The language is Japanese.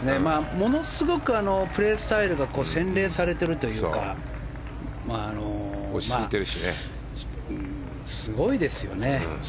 ものすごくプレースタイルが洗練されているというかすごいですよね。